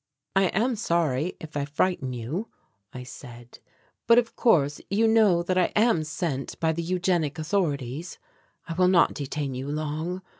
"I am sorry if I frighten you," I said, "but of course you know that I am sent by the eugenic authorities. I will not detain you long.